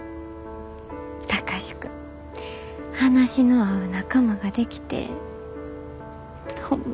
貴司君話の合う仲間ができてホンマ